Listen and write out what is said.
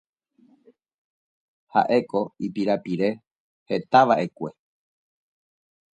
Ha'éjeko ipirapire hetava'ekue.